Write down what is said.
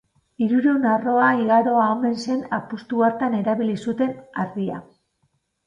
Hirurehun arroa igaroa omen zen apustu hartan erabili zuten harria.